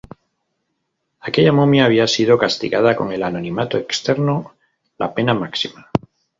Aquella momia había sido castigada con el anonimato eterno, la pena máxima.